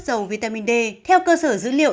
giàu vitamin d theo cơ sở dữ liệu